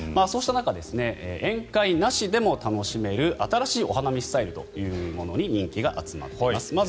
そうした中宴会なしでも楽しめる新しいお花見スタイルというものに人気が集まっています。